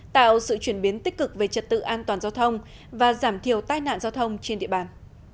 tạo sự chuyển biến tích cực về trật tự an toàn giao thông và giảm thiểu tai nạn giao thông trên địa bàn